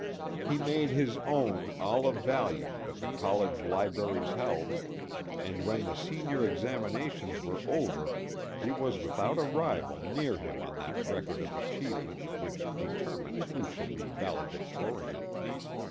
He made his own all of value that the college libraries held and when the senior examinations were over he was without a rival near him on that record of achievement which determines who shall be valedictorian.